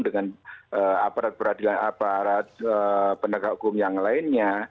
dengan aparat aparat pendaka hukum yang lainnya